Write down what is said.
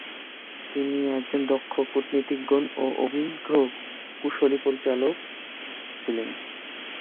তিনি একজন দক্ষ কূটনীতিজ্ঞ ও অভিজ্ঞ কুশলী পরিচালক ছিলেন।